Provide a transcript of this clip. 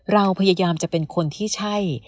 เราพยายามจะเป็นคนที่ใช่